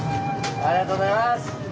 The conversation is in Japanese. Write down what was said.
・ありがとうございます！